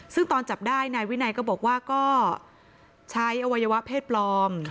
ซึ่งตอนจับได้นายวินัยก็บอกว่าก็ใช้อวัยวะเพศปลอม